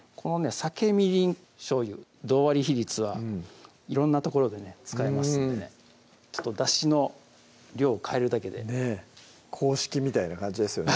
酒・みりん・しょうゆ同割り比率は色んなところでね使えますんでねだしの量を変えるだけでねぇ公式みたいな感じですよね